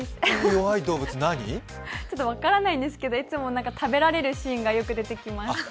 よく分からないんですけど食べられるシーンがよく出てきます。